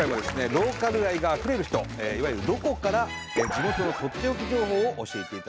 ローカル愛があふれる人いわゆる「ロコ」から地元のとっておき情報を教えていただきたいと思います。